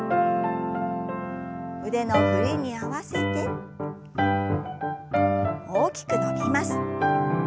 腕の振りに合わせて大きく伸びます。